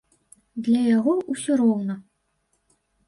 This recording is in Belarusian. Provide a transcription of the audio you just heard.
Для яго ўсё роўна.